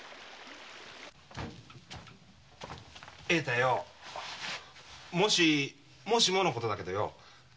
栄太よもしもしものことだけどよ。